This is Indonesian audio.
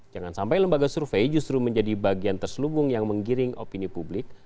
jangan sampai lembaga survei justru menjadi bagian terselubung yang menggiring opini publik